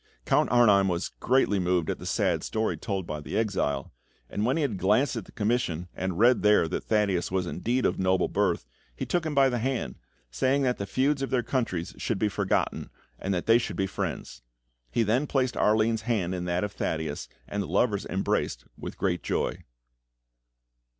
Count Arnheim was greatly moved at the sad story told by the exile, and when he had glanced at the commission and read there that Thaddeus was indeed of noble birth, he took him by the hand, saying that the feuds of their countries should be forgotten, and that they should be friends. He then placed Arline's hand in that of Thaddeus, and the lovers embraced with great joy.